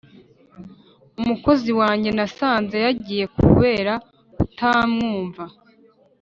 Umukozi wanjye nasanze yagiye kubera kutamwumva